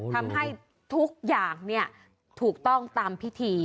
ทำให้ทุกอย่างถูกต้องตามพิธี